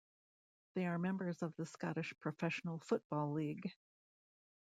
They are members of the Scottish Professional Football League.